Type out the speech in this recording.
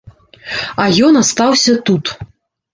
А ён астаўся тут.